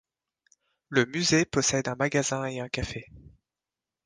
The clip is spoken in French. Le musée possède un magasin et un café.